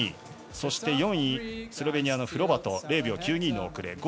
そして４位、スロベニアのフロバト、０秒９２の遅れ。